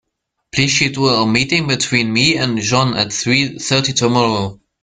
Please schedule a meeting between me and John at three thirty tomorrow.